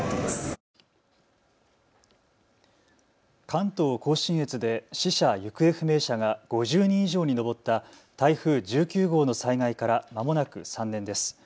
関東甲信越で死者・行方不明者が５０人以上に上った台風１９号の災害からまもなく３年です。